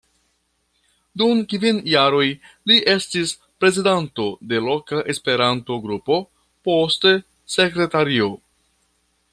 Dum kvin jaroj li estis prezidanto de loka Esperanto-Grupo, poste sekretario.